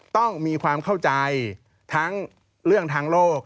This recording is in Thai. ต้องมีความเข้าใจทั้งเรื่องทางโลก